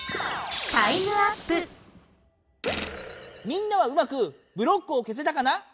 みんなはうまくブロックを消せたかな？